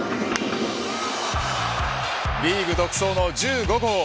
リーグ独走の１５号。